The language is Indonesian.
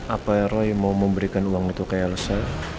apa roy mau memberikan uang itu ke elsa